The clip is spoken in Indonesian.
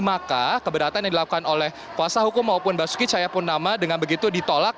maka keberatan yang dilakukan oleh kuasa hukum maupun basuki cahaya purnama dengan begitu ditolak